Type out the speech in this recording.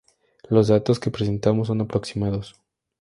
Los datos que presentamos son aproximados.